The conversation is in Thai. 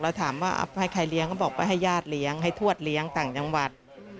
ถามว่าให้ใครเลี้ยงก็บอกไปให้ญาติเลี้ยงให้ทวดเลี้ยงต่างจังหวัด